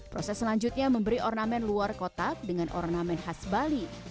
proses selanjutnya memberi ornamen luar kotak dengan ornamen khas bali